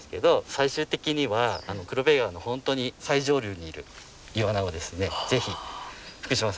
最終的には黒部川の本当に最上流にいるイワナをですね是非福島さん